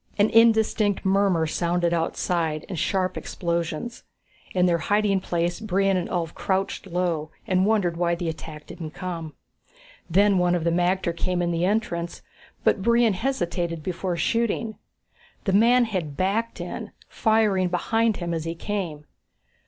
An indistinct murmur sounded outside, and sharp explosions. In their hiding place, Brion and Ulv crouched low and wondered why the attack didn't come. Then one of the magter came in the entrance, but Brion hesitated before shooting. The man had backed in, firing behind him as he came.